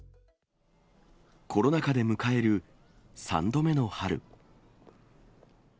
コロナ禍で迎える３度目の春。